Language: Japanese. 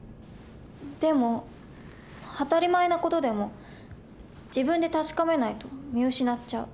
でも当たり前の事でも自分で確かめないと見失っちゃう。